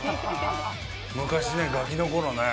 昔ね、ガキのころね